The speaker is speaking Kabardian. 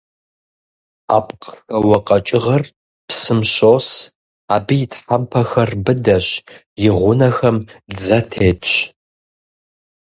Апкъхэуэ къэкӀыгъэр псым щос, абы и тхьэмпэхэр быдэщ, и гъунэхэм дзэ тетщ.